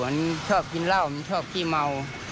ชอบกินเหล้ามันชอบขี้เมา